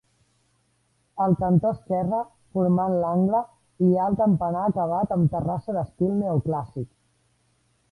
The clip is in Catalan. Al cantó esquerre, formant l'angle, hi ha el campanar acabat amb terrassa d'estil neoclàssic.